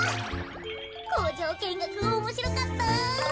こうじょうけんがくおもしろかった。